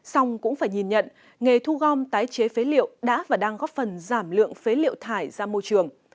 xong cũng phải nhìn nhận nghề thu gom tái chế phế liệu đã và đang góp phần giảm lượng phế liệu thải ra môi trường